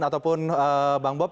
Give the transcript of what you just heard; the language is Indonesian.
ataupun bang bob